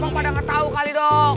lalu pada ngetau kali dong